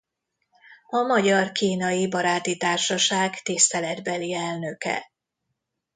A Magyar–Kínai Baráti Társaság tiszteletbeli elnöke.